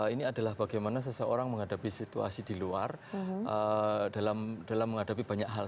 ini adalah bagaimana seseorang menghadapi situasi di luar dalam menghadapi banyak hal